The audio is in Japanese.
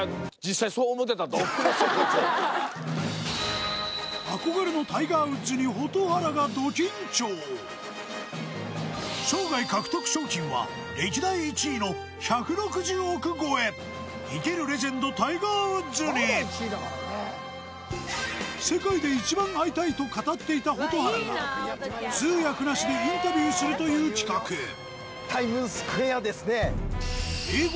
僕も憧れのタイガー・ウッズに蛍原がド緊張生涯獲得賞金は歴代１位の１６０億超え生けるレジェンドタイガー・ウッズに世界で一番会いたいと語っていた蛍原が通訳なしでインタビューするという企画タイムズスクエアですね